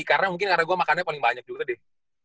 karena mungkin karena gue makannya paling banyak juga deh